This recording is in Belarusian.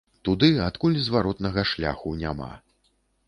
Туды, адкуль зваротнага шляху няма.